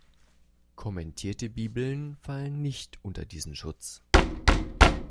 Kommentierte Bibeln fallen nicht unter diesen Schutz.